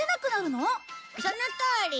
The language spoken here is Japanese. そのとおり。